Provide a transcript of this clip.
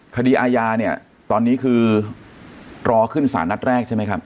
คดีอาญาเนี่ยตอนนี้คือรอขึ้นสารนัดแรกใช่ไหมครับ